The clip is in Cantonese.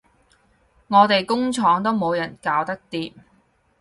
我哋工廠都冇人搞得掂